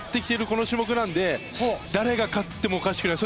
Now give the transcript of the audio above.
この種目なので誰が勝ってもおかしくない。